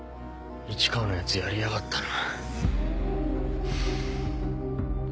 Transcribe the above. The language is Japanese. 市川のヤツやりやがったな。